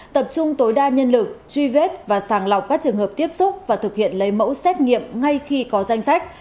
tập trung tối đa nhân lực truy vết và sàng lọc các trường hợp tiếp xúc và thực hiện lấy mẫu xét nghiệm ngay khi có danh sách